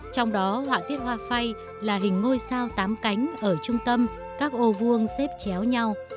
trong đó họa tiết hoa phay là hình ngôi sao tám cánh ở trung tâm các ô vuông xếp chéo nhau